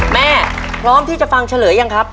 พร้อมที่จะฟังเฉลยยังครับ